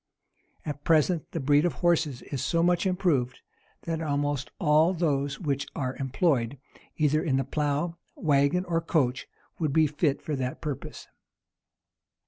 [] At present, the breed of horses is so much improved, that almost all those which are employed, either in the plough, wagon, or coach, would be fit for that purpose.